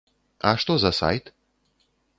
А што за сайт?